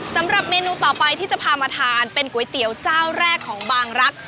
สำหรับเมนูต่อไปที่จะพามาทานเป็นก๋วยเตี๋ยวเจ้าแรกของบางรัก